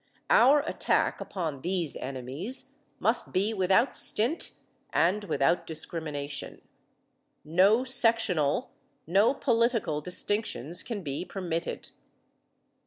Our attack upon these enemies must be without stint and without discrimination. No sectional, no political distinctions can be permitted.